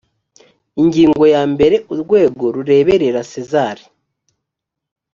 ingingo ya mbere urwego rureberera sezar